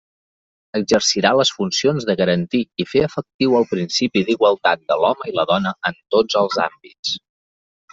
Exercirà les funcions de garantir i fer efectiu el principi d'igualtat de l'home i la dona en tots els àmbits.